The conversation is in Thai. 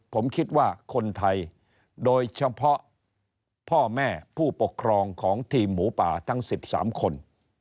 ผมคิดว่าคนไทยโดยเฉพาะพ่อแม่ผู้ปกครองของทีมหมูป่าทั้ง๑๓คน